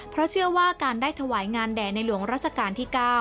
เพราะเชื่อว่าการได้ถวายงานแด่ในหลวงราชการที่๙